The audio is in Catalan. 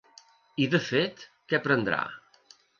I de fet, què prendrà?